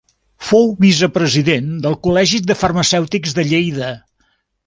Fou vicepresident del Col·legi de Farmacèutics de Lleida.